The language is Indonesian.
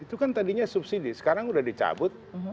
itu kan tadinya subsidi sekarang sudah dicabut